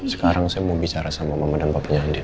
sekarang saya mau bicara sama mama dan papunya andin